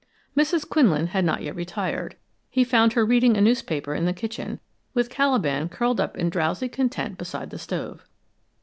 Mrs. Quinlan had not yet retired. He found her reading a newspaper in the kitchen, with Caliban curled up in drowsy content beside the stove.